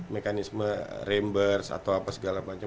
mekanisme ramburs atau apa segala macam